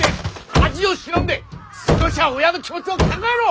恥を忍んで少しは親の気持ちを考えろ！